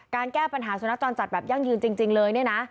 แก้ปัญหาสุนัขจรจัดแบบยั่งยืนจริงเลยเนี่ยนะ